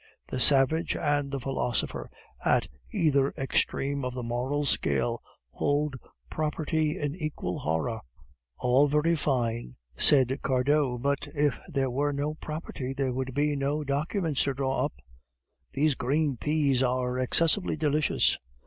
The savage and the philosopher, at either extreme of the moral scale, hold property in equal horror." "All very fine!" said Cardot; "but if there were no property, there would be no documents to draw up." "These green peas are excessively delicious!"